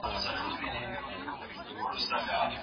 عبدالله بن عمر رضي الله عنهما روايت را نقل کړی دی.